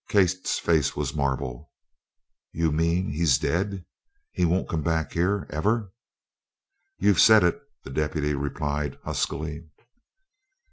Kate's face was marble. "You mean he's dead he won't come back here ever?" "You've said it," the deputy replied, huskily.